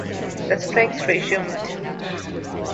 The strikes resumed.